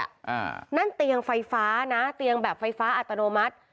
อ่านั่นเตียงไฟฟ้านะเตียงแบบไฟฟ้าอัตโนมัติ